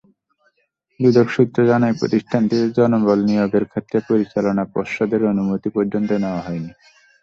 দুদক সূত্র জানায়, প্রতিষ্ঠানটিতে জনবল নিয়োগের ক্ষেত্রে পরিচালনা পর্ষদের অনুমতি পর্যন্ত নেওয়া হয়নি।